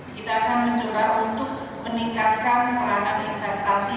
kita akan mencoba untuk meningkatkan peranan investasi